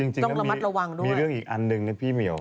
จริงแล้วมีเรื่องอีกอันหนึ่งนะพี่มิว